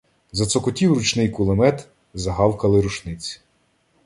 Зацокотів ручний кулемет, загавкали рушниці.